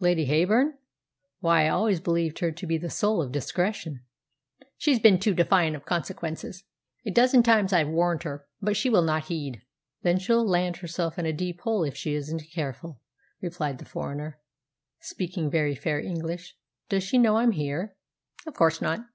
"Lady Heyburn! Why, I always believed her to be the soul of discretion." "She's been too defiant of consequences. A dozen times I've warned her; but she will not heed." "Then she'll land herself in a deep hole if she isn't careful," replied the foreigner, speaking very fair English. "Does she know I'm here?" "Of course not.